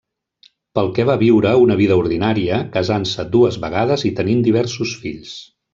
Pel que va viure una vida ordinària, casant-se dues vegades i tenint diversos fills.